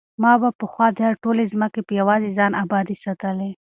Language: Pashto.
ما به پخوا دا ټولې ځمکې په یوازې ځان ابادې ساتلې.